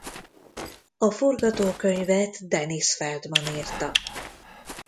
A forgatókönyvet Dennis Feldman írta.